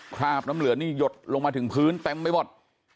คราบน้ำเหลืองนี่หยดลงมาถึงพื้นเต็มไปหมด